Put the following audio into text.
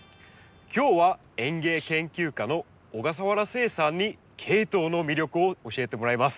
今日は園芸研究家の小笠原誓さんにケイトウの魅力を教えてもらいます。